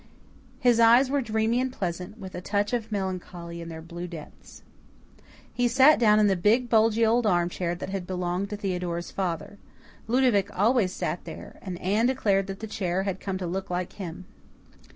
His eyes were dreamy and pleasant, with a touch of melancholy in their blue depths. He sat down in the big bulgy old armchair that had belonged to Theodora's father. Ludovic always sat there, and Anne declared that the chair had come to look like him.